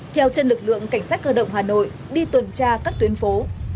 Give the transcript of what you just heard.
theo chân lực lượng cảnh sát cơ động hà nội đi tuần tra các tuyến phố